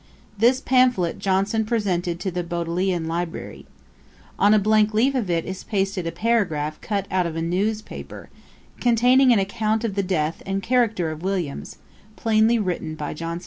This pamphlet Johnson presented to the Bodleian Library. On a blank leaf of it is pasted a paragraph cut out of a news paper, containing an account of the death and character of Williams, plainly written by Johnson.